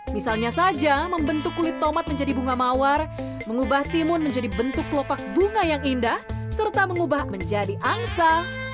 misalnya saja membentuk kulit tomat menjadi bunga mawar mengubah timun menjadi bentuk kelopak bunga yang indah serta mengubah menjadi angsa